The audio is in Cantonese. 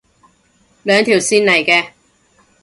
兩條線嚟嘅